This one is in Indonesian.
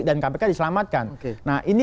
dan kpk diselamatkan nah ini